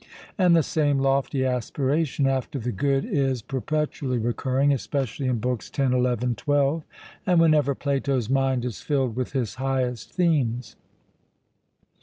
And the same lofty aspiration after the good is perpetually recurring, especially in Books X, XI, XII, and whenever Plato's mind is filled with his highest themes.